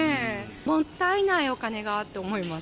もったいないお金がって思います。